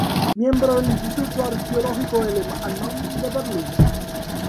Miembro del Instituto Arqueológico Alemán de Berlín.